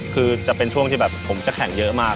คือจะเป็นช่วงที่แบบผมจะแข่งเยอะมาก